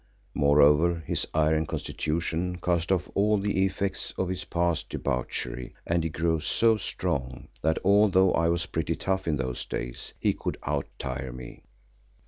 Moreover, his iron constitution cast off all the effects of his past debauchery and he grew so strong that although I was pretty tough in those days, he could out tire me.